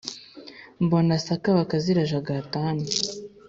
Mbona sakabaka zirajagata hano